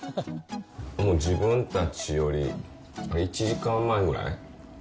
もう自分たちより１時間前ぐらい？